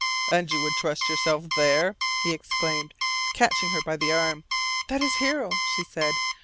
"And you would trust yourself THERE?" he exclaimed, catching her by the arm. "That is Hero," she said.